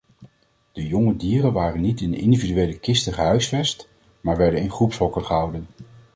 De jonge dieren waren niet in individuele kisten gehuisvest, maar werden in groepshokken gehouden.